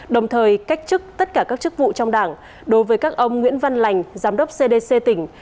đồng thời cách chức tất cả các chức vụ trong đảng đối với các ông nguyễn văn lành giám đốc cdc tỉnh